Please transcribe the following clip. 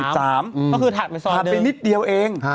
ถัดไปนิดเดียวเอง